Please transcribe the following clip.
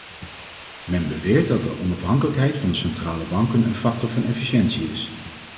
Men beweert dat de onafhankelijkheid van de centrale banken een factor van efficiëntie is.